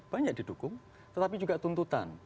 banyak didukung tetapi juga tuntutan